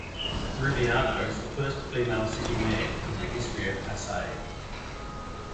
Rubiano is the first female city mayor in the history of Pasay.